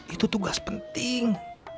itu tugas penting